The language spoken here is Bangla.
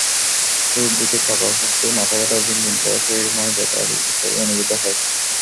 শুরুর দিকে চাপা অস্বস্তি, মাথাব্যথা, ঝিমঝিম করা, শরীরময় ব্যথা ইত্যাদি অনুভূত হয়।